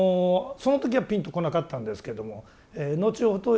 その時はぴんとこなかったんですけども後ほど